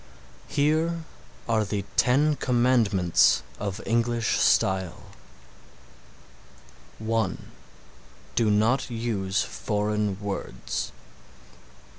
Here are the Ten Commandments of English style: (1) Do not use foreign words.